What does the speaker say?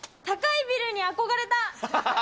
高いビルに憧れた。